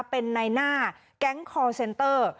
เป็นในหน้าแก๊งคอร์เซนเตอร์